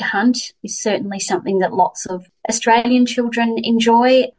ini pasti sesuatu yang banyak anak anak australia menikmati